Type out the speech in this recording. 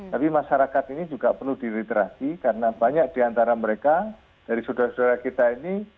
tapi masyarakat ini juga perlu diliterasi karena banyak diantara mereka dari saudara saudara kita ini